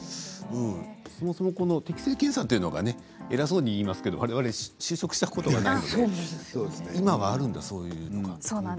そもそも適正検査というのはね偉そうに言いますけどわれわれ就職したことがないので今はあるんだねそういうことが。